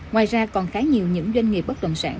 ngoài ra còn khá nhiều những doanh nghiệp bất động sản